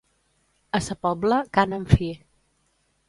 A sa Pobla, cànem fi.